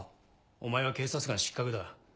お前は警察官失格だ。